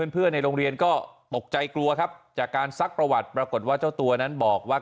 ในโรงเรียนก็ตกใจกลัวครับจากการซักประวัติปรากฏว่าเจ้าตัวนั้นบอกว่า